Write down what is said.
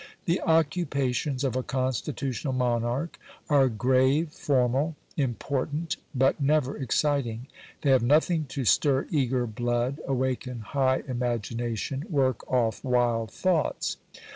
The occupations of a constitutional monarch are grave, formal, important, but never exciting; they have nothing to stir eager blood, awaken high imagination, work off wild thoughts.